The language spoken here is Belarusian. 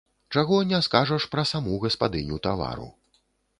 Чаго не скажаш пра саму гаспадыню тавару.